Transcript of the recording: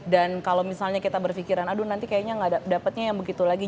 dan kalau misalnya kita berpikiran aduh nanti kayaknya gak dapetnya yang begitu lagi